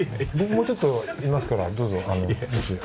もうちょっといますからどうぞ。